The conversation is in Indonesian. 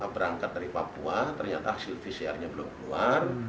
berangkat dari papua ternyata silvisiarnya belum keluar